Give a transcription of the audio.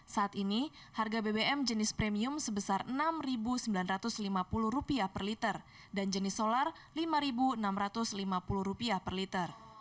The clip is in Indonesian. saat ini harga bbm jenis premium sebesar rp enam sembilan ratus lima puluh per liter dan jenis solar rp lima enam ratus lima puluh per liter